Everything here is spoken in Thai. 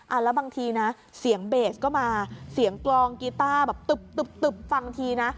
แล้วบางทีนะเสียงเบสก็มาเสียงกลองกีต้าแบบตึบตึบตึบฟังทีนะ